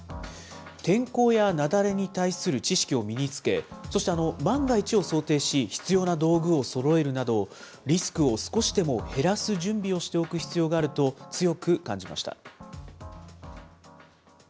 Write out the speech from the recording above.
天候や雪崩に対する知識を身につけ、そして万が一を想定し、必要な道具をそろえるなど、リスクを少しでも減らす準備をしておく必要があると強く感じました。